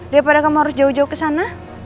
daripada kamu harus jauh jauh ke sana